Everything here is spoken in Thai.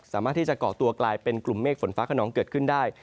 สามารถที่จะเกาะตัวกลายเป็นกลุ่มเมฆฝนฟ้าขนองเกิดขึ้นได้